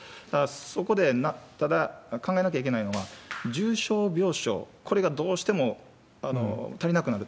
そこでただ考えなきゃいけないのは、重症病床、これがどうしても足りなくなる。